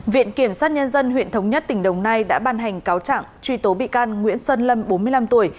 viện kiểm sát nhân dân huyện thống nhất tỉnh đồng nai đã ban hành cáo trạng truy tố bị can nguyễn sơn lâm bốn mươi năm tuổi